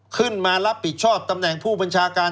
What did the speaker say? ขึ้นมารับผิดชอบตำแหน่งผู้บัญชาการ